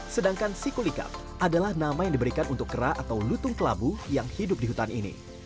sedangkan sikulikap adalah nama yang diberikan untuk kera atau lutung kelabu yang hidup di hutan ini